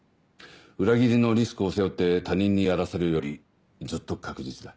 裏切りのリスクを背負って他人にやらせるよりずっと確実だ。